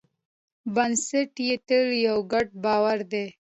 بنسټ یې تل یو ګډ باور دی.